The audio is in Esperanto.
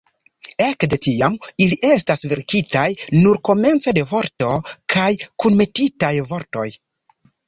Ekde tiam, ili estas verkitaj nur komence de vorto kaj kunmetitaj vortoj.